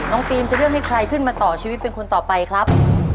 ฟิล์มจะเลือกให้ใครขึ้นมาต่อชีวิตเป็นคนต่อไปครับ